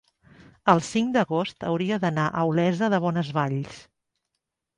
el cinc d'agost hauria d'anar a Olesa de Bonesvalls.